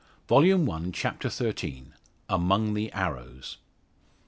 Volume One, Chapter XIII. AMONG THE ARROWS.